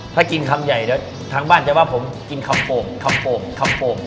ถ้ากินคำใหญ่เดี๋ยวทางบ้านจะว่าผมกินคำโป่งคำโป่งคำโป่ง